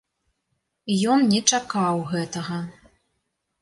Ён не чакаў гэтага.